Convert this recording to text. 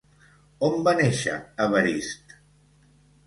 On va néixer Evarist?